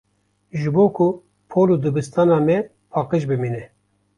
Ji bo ku pol û dibistana me paqij bimîne.